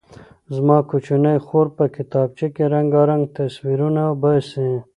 زما کوچنۍ خور په کتابچه کې رنګارنګ تصویرونه وباسي.